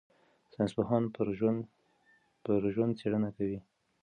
ساینسپوهان پر ژوند څېړنه کوي.